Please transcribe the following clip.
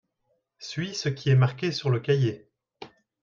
suis ce qui est marqué sur le cahier.